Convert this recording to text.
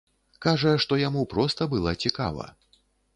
Кажа, што яму проста была цікава.